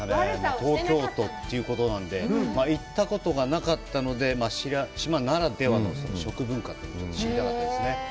東京都ということなので、行ったことがなかったので、島ならではの食文化というのを知りたかったんですね。